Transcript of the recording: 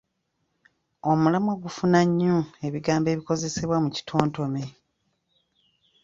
Omulamwa gufuga nnyo ebigambo ebikozesebwa mu kitontome.